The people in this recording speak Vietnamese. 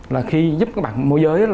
là khi giúp các bạn mua giới